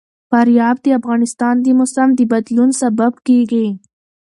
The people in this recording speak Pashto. فاریاب د افغانستان د موسم د بدلون سبب کېږي.